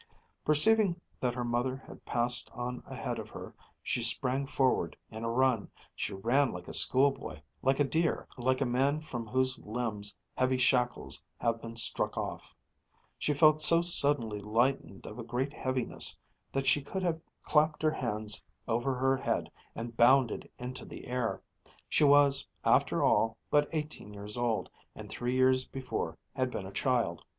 Perceiving that her mother had passed on ahead of her she sprang forward in a run. She ran like a schoolboy, like a deer, like a man from whose limbs heavy shackles have been struck off. She felt so suddenly lightened of a great heaviness that she could have clapped her hands over her head and bounded into the air. She was, after all, but eighteen years old, and three years before had been a child.